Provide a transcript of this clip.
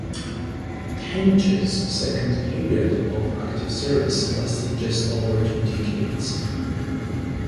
"Tench"'s second period of active service lasted just over two decades.